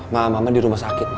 ma mama di rumah sakit ma